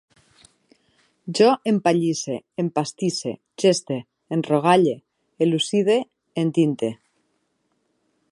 Jo empallisse, empastisse, geste, enrogalle, elucide, entinte